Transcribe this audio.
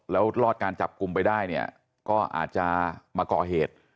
แล้วรอดการจับกลุ่มไปได้เนี่ยก็อาจจะมาก่อเหตุ